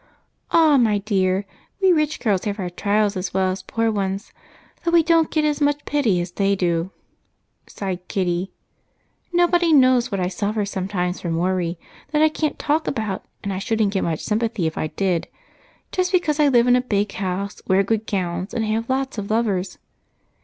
"Ah, my dear! We rich girls have our trials as well as poor ones, though we don't get as much pity as they do," sighed Kitty. "Nobody knows what I suffer sometimes from worries that I can't talk about, and I shouldn't get much sympathy if I did, just because I live in a big house, wear good gowns, and have lots of lovers.